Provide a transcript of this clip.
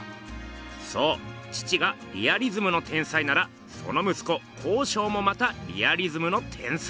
そう父がリアリズムの天才ならその息子康勝もまたリアリズムの天才。